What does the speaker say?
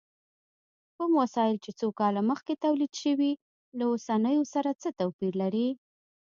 کوم وسایل چې څو کاله مخکې تولید شوي، له اوسنیو سره څه توپیر لري؟